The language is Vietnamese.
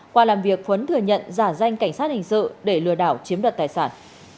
qua làm việc khuấn thừa nhận giả danh cảnh sát hình sự để lừa đảo chiếm đoạt tài sản